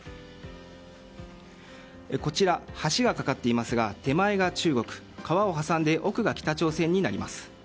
こちら、橋が架かっていますが手前が中国川を挟んで奥が北朝鮮になります。